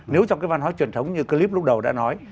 nếu trong cái văn hóa truyền thống như clip lúc đầu đã nói